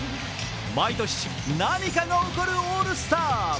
毎年、何かが起こるオールスター。